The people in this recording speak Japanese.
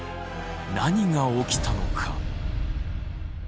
何が起きたのか？